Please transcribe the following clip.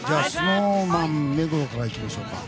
ＳｎｏｗＭａｎの目黒からいきましょうか。